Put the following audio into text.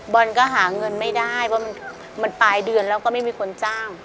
บอลก็หาเงินไม่ได้เพราะมันปลายเดือนแล้วก็ไม่มีคนจ้าง